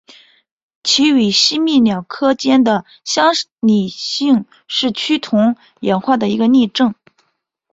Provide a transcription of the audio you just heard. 其与吸蜜鸟科间的相拟性是趋同演化的一个例证。